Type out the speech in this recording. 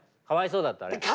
かわいそうだったあれ。